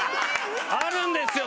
あるんですよ